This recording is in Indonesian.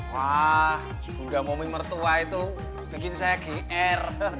wah bunda momi mertua itu bikin saya gr